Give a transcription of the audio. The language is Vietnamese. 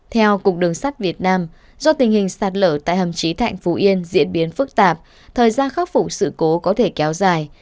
theo cục đường sắt việt nam do tình hình sạt lở tại hầm trí thạnh phú yên diễn biến phức tạp thời gian khắc phục sự cố có thể kéo dài